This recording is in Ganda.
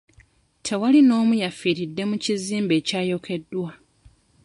Tewali n'omu yafiiridde mu kizimbe ekyayokeddwa.